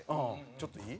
ちょっといい？